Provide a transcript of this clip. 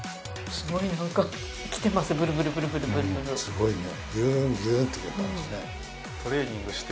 すごいね。